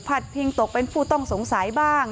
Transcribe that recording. พิงตกเป็นผู้ต้องสงสัยบ้าง